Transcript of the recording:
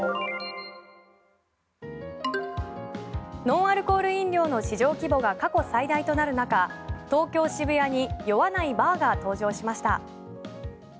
ノンアルコール飲料の市場が過去最大となる中東京・渋谷に酔わないバーが登場しました。